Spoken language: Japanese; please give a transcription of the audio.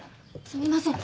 すみません。